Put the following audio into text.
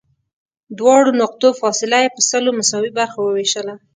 دواړو نقطو فاصله یې په سلو مساوي برخو ووېشله.